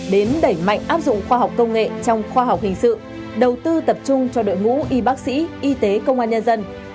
đến đẩy mạnh áp dụng khoa học công nghệ trong khoa học hình sự đầu tư tập trung cho đội ngũ y bác sĩ y tế công an nhân dân